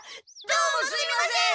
どうもすいません！